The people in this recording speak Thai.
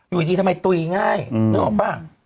อยู่ดีทำไมตุ๋ยง่ายนึกออกป่ะ